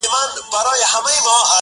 دېوالونه په پردو کي را ايسار دي,